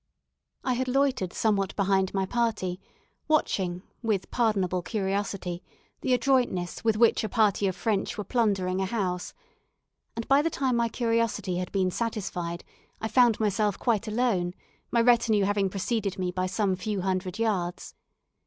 I had loitered somewhat behind my party, watching, with pardonable curiosity, the adroitness with which a party of French were plundering a house; and by the time my curiosity had been satisfied, I found myself quite alone, my retinue having preceded me by some few hundred yards.